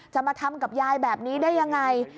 มาทำกับยายแบบนี้ได้ยังไง